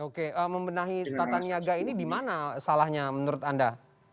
oke membenahi tata niaga ini dimana salahnya menurut anda